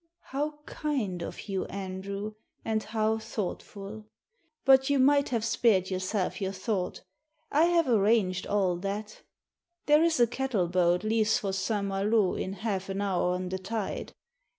" How kind of you, Andrew, and how thoughtful ! But you might have spared yourself your thought I have arranged all that There is a cattle boat leaves for St Malo in half ati hour on the tide.